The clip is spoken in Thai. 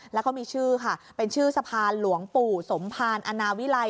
แล้วก็มีชื่อค่ะเป็นชื่อสะพานหลวงปู่สมภารอนาวิลัย